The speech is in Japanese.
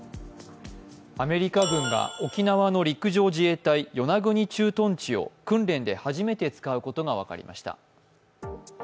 アメリカ軍が沖縄の陸上自衛隊与那国駐屯地を訓練で初めて使うことが分かりました。